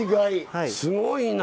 すごいな。